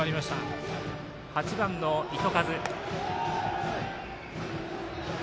８番の糸数。